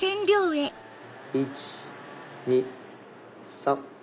１・２・３。